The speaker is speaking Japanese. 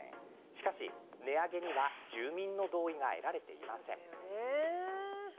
しかし、値上げには住民の同意が得られていません。